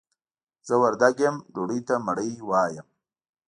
زه وردګ يم ډوډۍ ته مړۍ وايم.